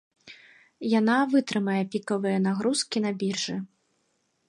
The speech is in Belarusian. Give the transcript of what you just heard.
Яна вытрымае пікавыя нагрузкі на біржы.